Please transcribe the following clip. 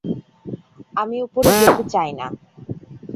আমি উপরে যেতে চাই না।